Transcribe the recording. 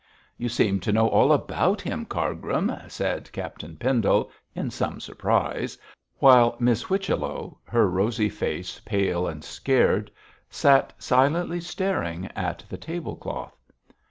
'You seem to know all about him, Cargrim,' said Captain Pendle, in some surprise, while Miss Whichello, her rosy face pale and scared, sat silently staring at the tablecloth.